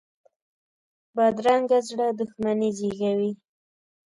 بدرنګه زړه دښمني زېږوي